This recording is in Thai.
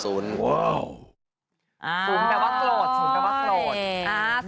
สูงแต่ว่าโกรธ